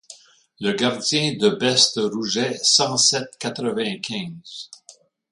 Le guardien de bestes Rouget cent sept quatre-vingt-quinze.